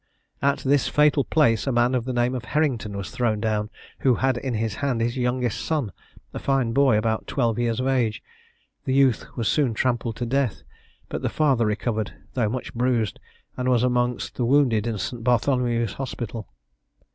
At this fatal place a man of the name of Herrington was thrown down, who had in his hand his youngest son, a fine boy, about twelve years of age. The youth was soon trampled to death; but the father recovered, though much bruised, and was amongst the wounded in St. Bartholomew's Hospital.